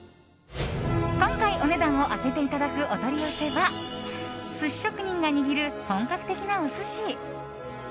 今回お値段を当てていただくお取り寄せは寿司職人が握る本格的なお寿司。